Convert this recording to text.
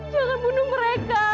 jangan bunuh mereka